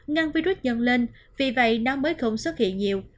ngăn virus dần lên vì vậy nó mới không xuất hiện nhiều